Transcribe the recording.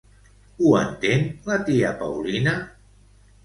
Ho entén la tia Paulina?